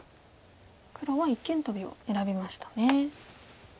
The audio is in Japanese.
黒は一間トビを選びましたね。